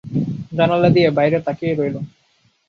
জানোলা দিয়ে বাইরে তাকিয়ে রইল।